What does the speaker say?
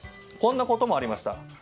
こんなこともありました。